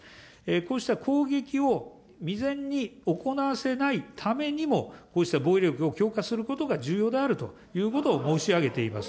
こうした攻撃を未然に行わせないためにも、こうした防衛力を強化することが重要であるということを申し上げています。